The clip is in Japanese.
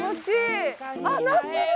あっなってる！